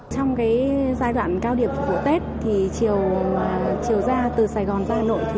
trong giai đoạn cao điểm của tết chiều ra từ sài gòn ra hà nội